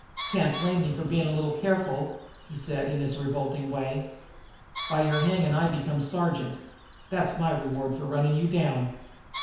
"Can't blame me for being a little careful," he said in his revolting way. "By your hanging I become a Sergeant. That's my reward for running you down."